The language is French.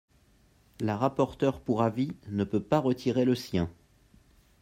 La rapporteure pour avis ne peut pas retirer le sien